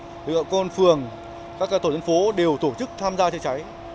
lực lượng công an phường các tổ dân phố đều tổ chức tham gia chữa cháy